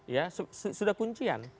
ya sudah kuncian